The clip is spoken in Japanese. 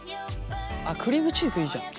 クリームチーズいいじゃん。